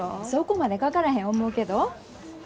そこまでかからへん思うけど。